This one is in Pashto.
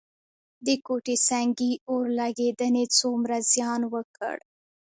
د کوټه سنګي اورلګیدنې څومره زیان وکړ؟